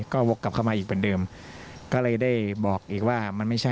ก็วกกลับเข้ามาอีกเหมือนเดิมก็เลยได้บอกอีกว่ามันไม่ใช่